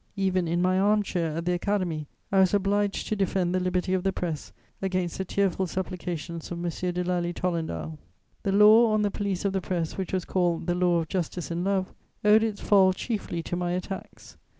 Even in my arm chair at the Academy, I was obliged to defend the liberty of the press against the tearful supplications of M. de Lally Tolendal. The law on the police of the press, which was called the "Law of Justice and Love," owed its fall chiefly to my attacks.